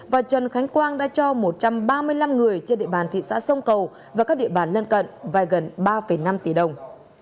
và trần khánh quang đã cho một trăm ba mươi năm người trên địa bàn thị xã sông cầu và các địa bàn lân cận vài gần ba năm tỷ đồng